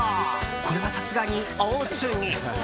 これはさすがに多すぎ。